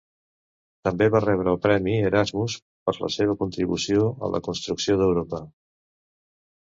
També va rebre el Premi Erasmus per la seva contribució a la construcció d'Europa.